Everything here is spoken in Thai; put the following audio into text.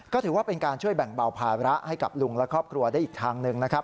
ก็ถือว่าเป็นการช่วยแบ่งเบาภาระให้กับลุงและครอบครัวได้อีกทางหนึ่งนะครับ